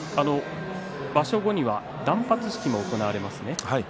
場所後には断髪式も行われますね。